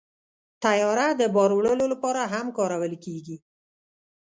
طیاره د بار وړلو لپاره هم کارول کېږي.